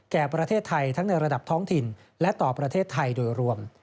แก่ประเทศไทยทั้งในระดับท้องถิ่นและต่อประเทศไทยโดยรวม